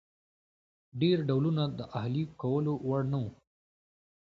ډېر ډولونه د اهلي کولو وړ نه وو.